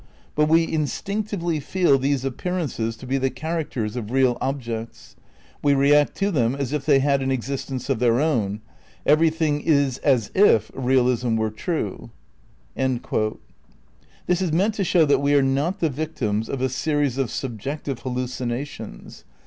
But we instinctively feel these appearances to be the characters of real objects. We react to them as if they had an ex istence of their own. ... Everything is as if realism were true." ' This is meant to show that we are not the victims of a series of subjective hallucinations.